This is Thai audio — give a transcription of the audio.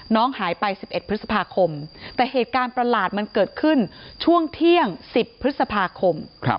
น้องหายไป๑๑พฤษภาคมแต่เหตุการณ์ประหลาดมันเกิดขึ้นช่วงเที่ยง๑๐พฤษภาคม